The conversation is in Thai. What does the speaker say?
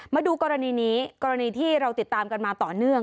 มาดูกรณีนี้กรณีที่เราติดตามกันมาต่อเนื่อง